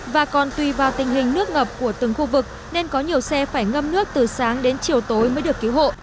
và còn tùy vào tình hình nước ngập của từng khu vực nên có nhiều xe phải ngâm nước từ sáng đến chiều tối mới được cứu hộ